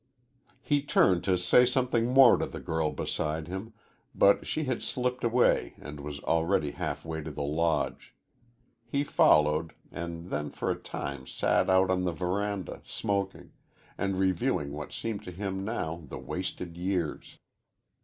He turned to say something more to the girl beside him, but she had slipped away and was already halfway to the Lodge. He followed, and then for a time sat out on the veranda, smoking, and reviewing what seemed to him now the wasted years.